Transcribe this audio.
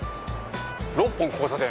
６本交差点。